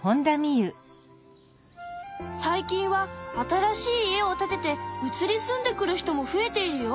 最近は新しい家を建てて移り住んでくる人も増えているよ。